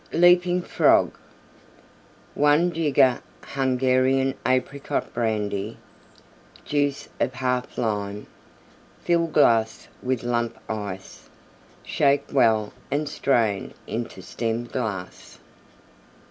LEAPING FROG 1 jigger Hungarian Apricot Brandy. Juice of 1/2 Lime. Fill glass with Lump Ice. Shake well and strain into Stem glass.